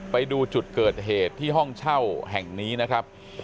ไปดูจุดเกิดเหตุที่ห้องเช่าแห่งนี้นะครับ